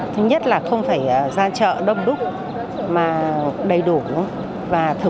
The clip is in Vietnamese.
thứ nhất là không phải ra chợ đông đúc mà đầy đủ